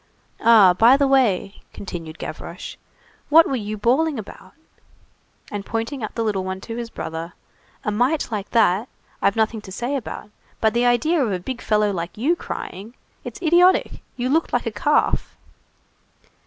"Ah, by the way," continued Gavroche, "what were you bawling about?" And pointing out the little one to his brother:— "A mite like that, I've nothing to say about, but the idea of a big fellow like you crying! It's idiotic; you looked like a calf."